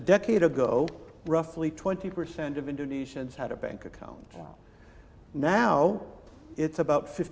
dan anda akan melihat bahwa